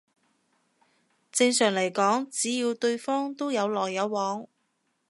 正常嚟講只要對方都有來有往